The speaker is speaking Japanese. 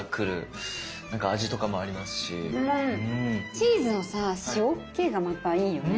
チーズの塩気がまたいいよね。